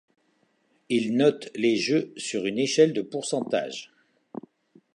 Ils notent les jeux sur une échelle de pourcentage.